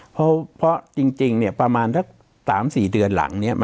เพราะเพราะจริงจริงเนี้ยประมาณสัก๓๔เดือนหลังเนี้ย